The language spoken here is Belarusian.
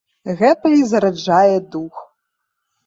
Гэта і зараджае дух.